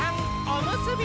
おむすび！